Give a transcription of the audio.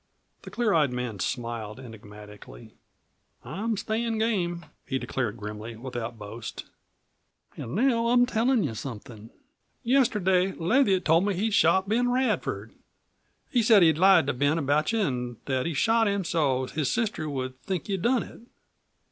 The clear eyed man smiled enigmatically. "I'm stayin' game!" he declared grimly, without boast. "An' now I'm tellin' you somethin'. Yesterday Leviatt told me he'd shot Ben Radford. He said he'd lied to Ben about you an' that he'd shot him so's his sister would think you done it.